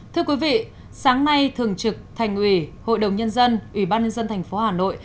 thưa quý vị sáng nay thường trực thành ủy hội đồng nhân dân ủy ban nhân dân tp hà nội